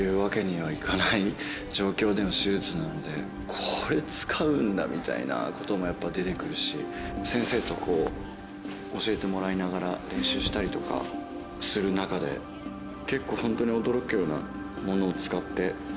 「これ使うんだ」みたいなこともやっぱ出て来るし先生と教えてもらいながら練習したりとかする中で結構ホントに。